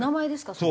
そう。